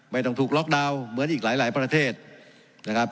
ไม่ต้องถูกล็อกดาวน์เหมือนอีกหลายประเทศนะครับ